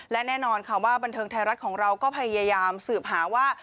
และแน่นอนค่ะว่าบันเทิงไทยรัฐของเราก็พยายามสืบหาว่า